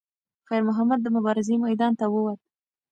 خیر محمد د مبارزې میدان ته وووت.